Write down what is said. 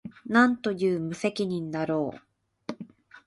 何という無責任だろう